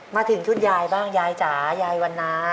มาถึงชุดยายบ้างยายจ๋ายายวันนา